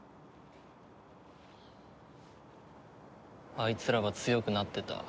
あいつらは強くなってた。